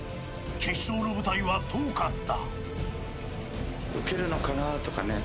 決勝の舞台は遠かった。